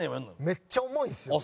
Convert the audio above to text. めっちゃ重いんですよ。